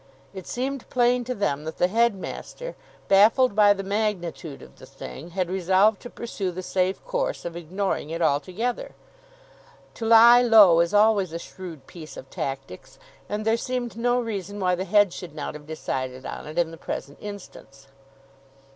It seemed plain to them that the headmaster, baffled by the magnitude of the thing, had resolved to pursue the safe course of ignoring it altogether. To lie low is always a shrewd piece of tactics, and there seemed no reason why the Head should not have decided on it in the present instance.